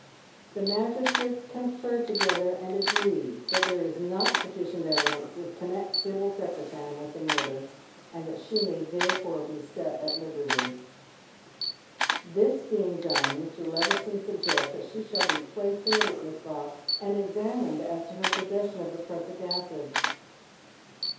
The magistrates confer together, and agree that there is not sufficient evidence to connect Sibyl Secretan with the murder, ^nd that she may therefore be set at liberty. This being dune, Mr. Levison suggests that she shall be placed in the witness box, and examined as to her possession of th^ prussic acid.